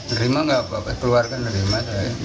nerima enggak apa apa keluarga nerima